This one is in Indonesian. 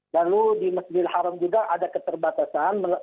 lalu di masjid haram juga ada keterbatasan